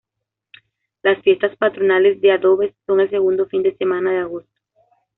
Las fiestas patronales de Adobes son el segundo fin de semana de agosto